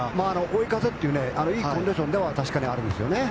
追い風といういいコンディションではあるんですよね。